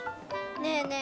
ねえねえ